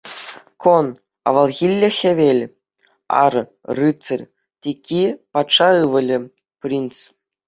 Кӑн — авалхилле хӗвел, ар — рыцарь, тикки — патша ывӑлӗ, принц.